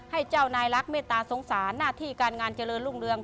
ให้เจ้านายรักเมตตาสงสารหน้าที่การงานเจริญรุ่งเรือง